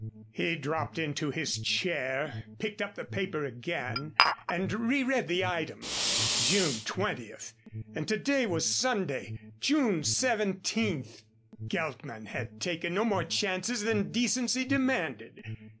He dropped into his chair, picked up the paper again, and re read the item. June twentieth! And to day was Sunday, June seventeenth! Geltman had taken no more chances than decency demanded.